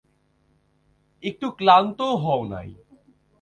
একটু ক্লান্তও হও নাই!